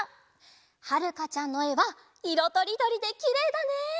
はるかちゃんのえはいろとりどりできれいだね！